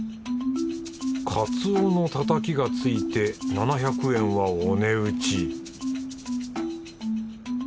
カツオのたたきがついて７００円はお値打ち